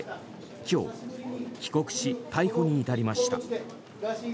今日、帰国し逮捕に至りました。